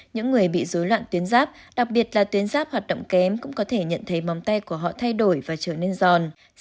những người bị dối loạn tuyến giáp đặc biệt là tuyến giáp hoạt động kém cũng có thể nhận thấy món tay của họ thay đổi và trở nên giòn